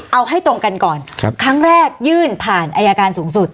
เอาให้ตรงกันก่อนครั้งแรกยื่นผ่านอายการสูงสุด